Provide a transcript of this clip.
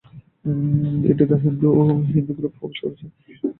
এটি the Hindu group প্রকাশ করেছে।